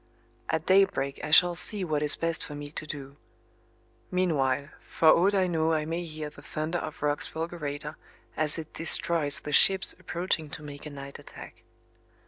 At daybreak I shall see what is best for me to do. Meanwhile, for aught I know I may hear the thunder of Roch's fulgurator as it destroys the ships approaching to make a night attack.